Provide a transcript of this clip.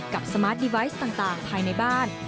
สมาร์ทดีไวท์ต่างภายในบ้าน